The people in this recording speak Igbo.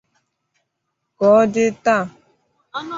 K ọ dị taa